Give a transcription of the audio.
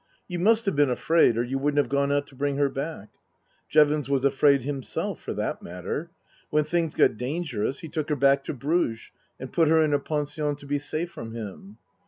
" You must have been afraid, or you wouldn't have gone out to bring her back." " Jevons was afraid himself, for that matter. When things got dangerous he took her back to Bruges and put her in a pension to be safe from him."